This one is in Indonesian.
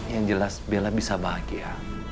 yang jelas bella bisa bahagia